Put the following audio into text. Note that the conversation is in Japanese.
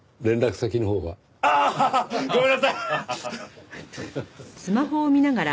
ごめんなさい！